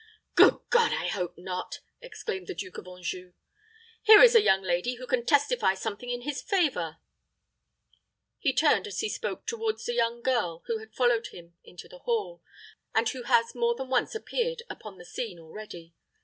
"Good God! I hope not," exclaimed the Duke of Anjou. "Here is a young lady who can testify something in his favor." He turned as he spoke toward the young girl who had followed him into the hall, and who has more than once appeared upon the scene already.